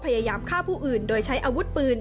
พยายามฆ่าผู้อื่นโดยใช้อาวุธปืน